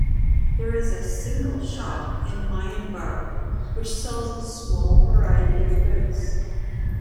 There is a single shop in Maianbar which sells a small variety of goods.